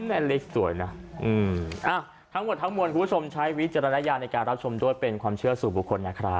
แม่เล็กสวยนะทั้งหมดทั้งมวลคุณผู้ชมใช้วิจารณญาณในการรับชมด้วยเป็นความเชื่อสู่บุคคลนะครับ